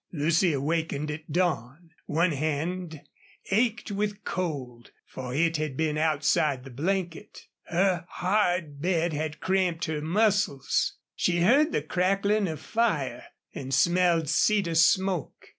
Lucy awakened at dawn. One hand ached with cold, for it had been outside the blanket. Her hard bed had cramped her muscles. She heard the crackling of fire and smelled cedar smoke.